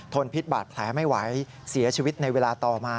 พิษบาดแผลไม่ไหวเสียชีวิตในเวลาต่อมา